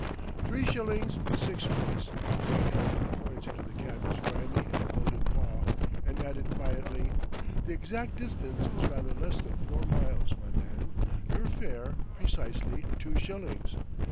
"Three shillings, six pence," he counted the coins into the cabby's grimy and bloated paw; and added quietly: "The exact distance is rather less than, four miles, my man; your fare, precisely two shillings.